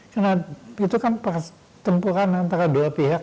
karena itu kan pertempuran antara dua pihak